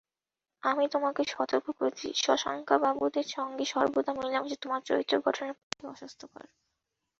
আমি তোমাকে সতর্ক করে দিচ্ছি, শশাঙ্কবাবুদের সঙ্গে সর্বদা মেলামেশা তোমার চরিত্রগঠনের পক্ষে অস্বাস্থ্যকর।